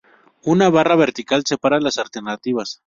Una barra vertical separa las alternativas.